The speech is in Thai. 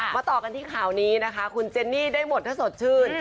ต่อกันที่ข่าวนี้นะคะคุณเจนนี่ได้หมดถ้าสดชื่น